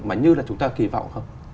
mà như là chúng ta kỳ vọng không